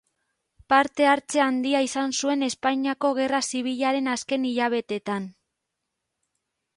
Parte-hartze handia izan zuen Espainiako Gerra Zibilaren azken hilabeteetan.